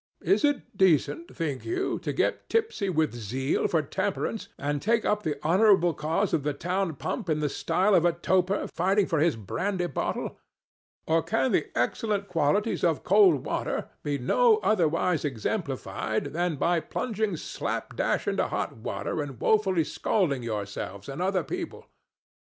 Is it decent, think you, to get tipsy with zeal for temperance and take up the honorable cause of the town pump in the style of a toper fighting for his brandy bottle? Or can the excellent qualities of cold water be no otherwise exemplified than by plunging slapdash into hot water and woefully scalding yourselves and other people?